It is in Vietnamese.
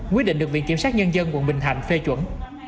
quyết định được viện kiểm sát nhân dân quận bình thạnh phê chuẩn